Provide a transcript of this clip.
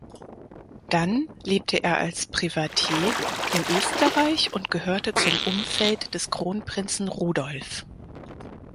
Dann lebte er als Privatier in Österreich und gehörte zum Umfeld des Kronprinzen Rudolf.